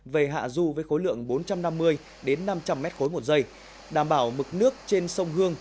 về hạ du với khối lượng bốn trăm năm mươi năm trăm linh m ba một giây đảm bảo mực nước trên sông hương